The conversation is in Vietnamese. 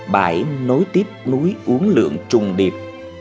bãi nối tiếp núi uống lượng trùng điệp